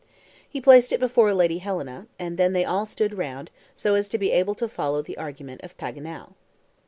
He placed it before Lady Helena, and then they all stood round, so as to be able to follow the argument of Paganel.